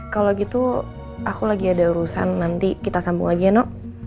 kalau gitu aku lagi ada urusan nanti kita sambung lagi ya nok